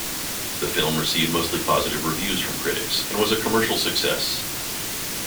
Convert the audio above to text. The film received mostly positive reviews from critics and was a commercial success.